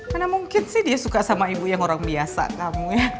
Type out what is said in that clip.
mana mungkin sih dia suka sama ibu yang orang biasa kamu ya